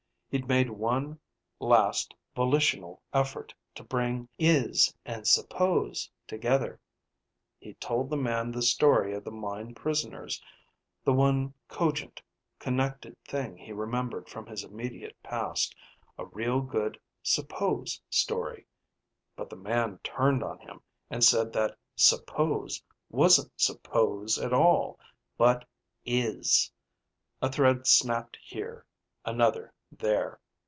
He'd made one last volitional effort to bring "is" and "suppose" together. He'd told the man the story of the mine prisoners, the one cogent, connected thing he remembered from his immediate past, a real good "suppose" story. But the man turned on him and said that "suppose" wasn't "suppose" at all, but "is." A thread snapped here, another there.